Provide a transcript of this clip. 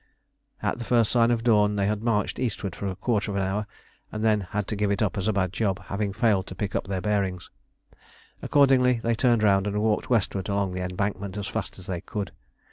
At the first sign of dawn they had marched eastwards for a quarter of an hour, and then had to give it up as a bad job, having failed to pick up their bearings. Accordingly, they turned round and walked westwards along the embankment as fast as they could.